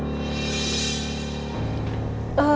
aku harus ikhlaskan itu